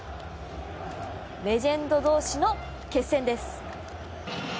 レジェンド同士の決戦です。